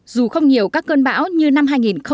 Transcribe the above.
dù không nhiều các cơn bão như năm hai nghìn một mươi tám